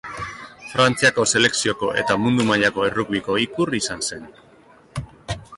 Frantziako selekzioko eta mundu mailako errugbiko ikur izan zen.